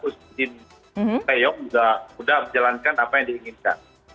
coach tim taeyong sudah menjalankan apa yang diinginkan